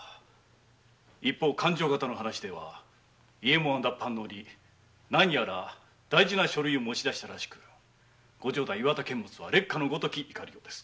一方勘定方の話では伊右衛門は脱藩のおり何やら大事な書類を持ち出したらしく城代・岩田監物は烈火のごとき怒りようです。